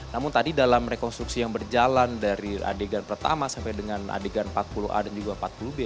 namun tadi dalam rekonstruksi yang berjalan dari adegan pertama sampai dengan adegan empat puluh a dan juga empat puluh b